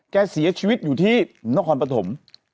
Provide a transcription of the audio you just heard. เสียชีวิตอยู่ที่นครปฐม